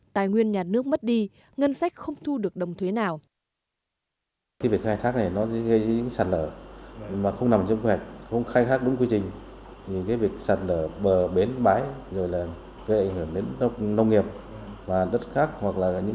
tài nguyên nhà nước mất đi ngân sách không thu được đồng thuế nào